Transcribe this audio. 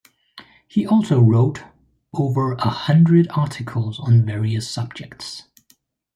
He also wrote over a hundred articles on various subjects.